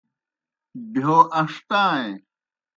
بہیو ان٘ݜٹائیں۔